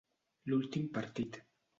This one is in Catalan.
L'últim partit.